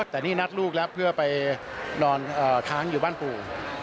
แต่นี่นัดลูกแล้วเพื่อไปนอนค้างอยู่บ้านปู่